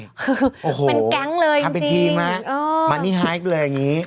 คือเป็นแก๊งเลยทำเป็นทีมฮะมานี่ไฮเลยอย่างนี้